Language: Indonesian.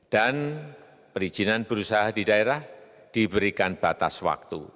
dan perizinan berusaha di daerah diberikan batas waktu